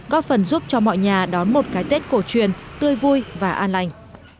góp phần giúp cho mọi nhà đón một cái tết cổ truyền tươi vui và an lành